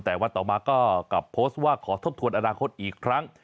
แต่วันต่อมาก็กลับโพสต์ว่าขอทบทวนอนาคตอีกครั้ง